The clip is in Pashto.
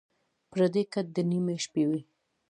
پردی کټ دَ نیمې شپې وي